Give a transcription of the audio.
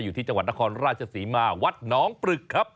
อยู่ที่จังหวัดนครราชศรีมาวัดน้องปรึกครับ